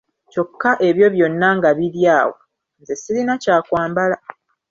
Kyokka ebyo byonna nga biri awo, nze sirina kyakwambala.